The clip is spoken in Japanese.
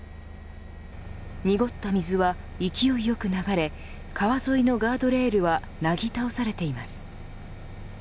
濁った水は勢いよく流れ川沿いのガードレールはなぎ倒されています。